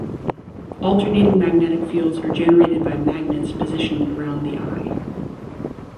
Alternating magnetic fields are generated by magnets positioned around the eye.